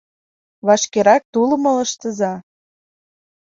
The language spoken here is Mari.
— Вашкерак тулым ылыжтыза!